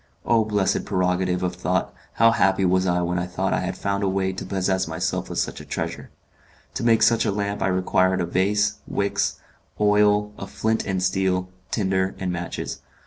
O blessed prerogative of thought! how happy was I when I thought I had found a way to possess myself of such a treasure! To make such a lamp I required a vase, wicks, oil, a flint and steel, tinder, and matches.